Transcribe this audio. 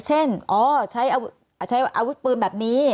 เช่นใช้อาวุธปืนแบบนี้